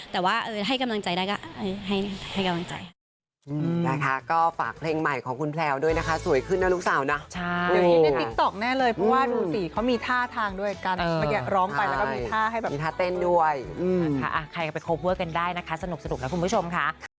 แต่ว่าให้กำลังใจได้ก็ให้กำลังใจ